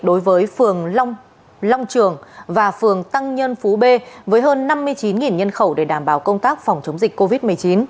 đối với phường long trường và phường tăng nhân phú b với hơn năm mươi chín nhân khẩu để đảm bảo công tác phòng chống dịch covid một mươi chín